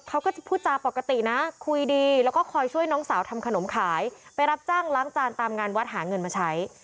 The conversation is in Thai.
เขาก็จะพูดจาปกตินะคุยดีแล้วก็คอยช่วยน้องสาวทำขนมขายไปรับจ้างล้างจานตามงานวัดหาเงินมาใช้